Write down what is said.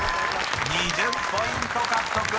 ［２０ポイント獲得！